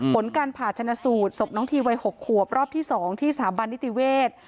ผลการผ่าชนะสูตรศพน้องทีวัย๖ขวบรอบที่๒ที่สถาบันนิติเวศ